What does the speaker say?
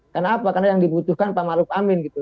kenapa karena yang dibutuhkan pak ma'ruf amin gitu